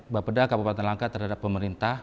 bapeda kabupaten langka terhadap pemerintah